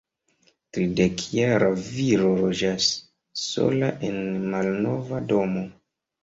Tridekjara viro loĝas sola, en malnova domo.